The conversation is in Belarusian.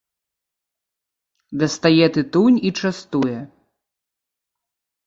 Дастае тытунь і частуе.